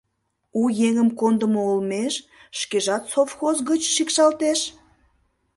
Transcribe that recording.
У еҥым кондымо олмеш шкежат совхоз гыч шикшалтеш?..